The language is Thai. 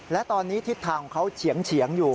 และตอนนี้ทิศทางของเขาเฉียงอยู่